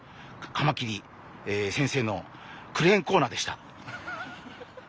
カマキリ先生のクレーンコーナーでした。